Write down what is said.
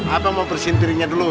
abang mau bersihin piringnya dulu